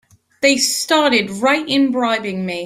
They started right in bribing me!